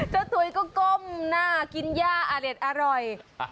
เจ้าถุยก็ก้มหน้ากินย่าอะเรดอร่อย